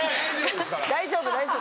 大丈夫大丈夫。